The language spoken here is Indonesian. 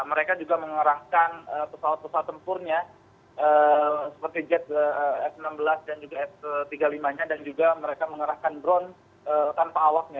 mereka juga mengerahkan pesawat pesawat tempurnya seperti jet f enam belas dan juga f tiga puluh lima nya dan juga mereka mengerahkan drone tanpa awaknya